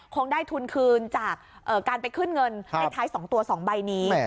คงได้ทุนคืนจากการไปขึ้นเงินเลขท้าย๒ตัว๒ใบนี้